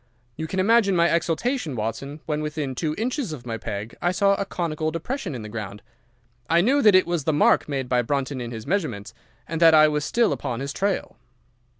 You can imagine my exultation, Watson, when within two inches of my peg I saw a conical depression in the ground. I knew that it was the mark made by Brunton in his measurements, and that I was still upon his trail.